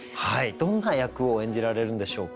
どんな役を演じられるんでしょうか？